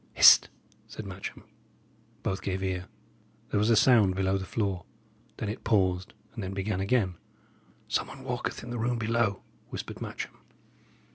"Hist!" said Matcham. Both gave ear. There was a sound below the floor; then it paused, and then began again. "Some one walketh in the room below," whispered Matcham.